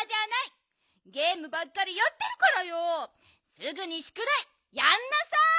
すぐにしゅくだいやんなさい！